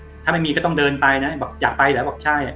ถ้าไม่มีก็ต้องเดินไปนะบอกอยากไปเหรอบอกใช่